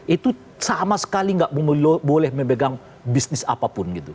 itu sama sekali nggak boleh memegang bisnis apapun gitu